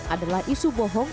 adalah isu bohong